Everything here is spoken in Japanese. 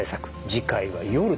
次回は夜です。